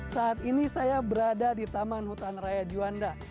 saat ini saya berada di taman hutan raya juanda